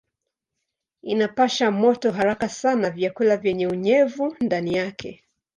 Inapasha moto haraka sana vyakula vyenye unyevu ndani yake.